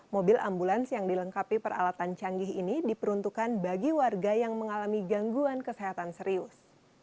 mobil ambulans yang dilengkapi peralatan canggih ini diperuntukkan bagi warga yang mengalami gangguan kesehatan serius